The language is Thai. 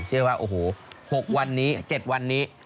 เชื่อว่าโอ้โห๖วันนี้๗วันนี้